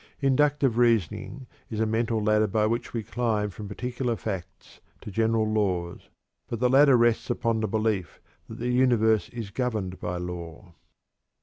Inductive reasoning is a mental ladder by which we climb from particular facts to general laws, but the ladder rests upon the belief that the universe is governed by law.